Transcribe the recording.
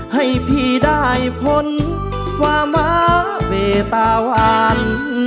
ให้พี่ได้พ้นความมาเมตตาวัน